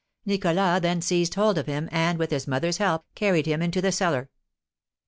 Nicholas then seized hold of him, and, with his mother's help, carried him into the cellar.